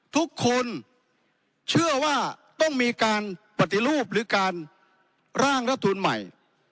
ทุกคนเชื่อว่าต้องมีการปฏิรูปหรือการร่างรัฐมนูลใหม่